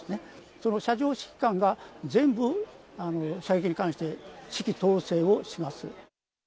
その射場指揮官が全部、射撃に関して指揮統制をします。